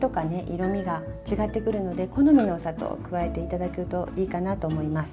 色みが違ってくるので好みのお砂糖を加えて頂くといいかなと思います。